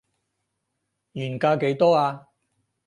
原價幾多啊